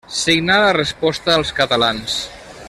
Signà la Resposta als Catalans.